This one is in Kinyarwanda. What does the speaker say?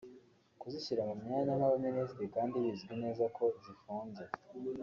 Kuzishyira mu myanya nk’Abaministri kandi bizwi neza ko zifunze